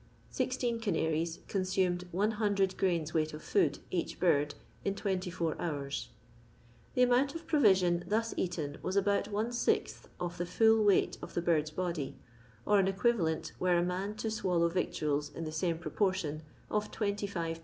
Sixteen canaries consumed 100 grains^ weight of food, each bird, in 24 houn. The amount of provision thus eaten was aboat one sixth of the mil weight of the bird's body, or an equvalent, were a man to swallow victuals in the same proportion, of 25 lbs.